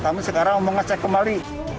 kami sekarang mau ngecek kembali